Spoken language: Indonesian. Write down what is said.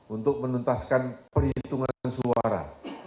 untuk menuntaskan perhitungan suara